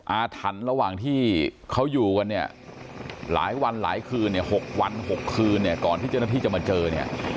อาถรรพ์ระหว่างที่เขาอยู่กันเนี่ยหลายวันหลายคืนเนี่ย๖วัน๖คืนเนี่ยก่อนที่เจ้าหน้าที่จะมาเจอเนี่ย